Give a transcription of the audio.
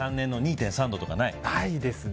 ないですね。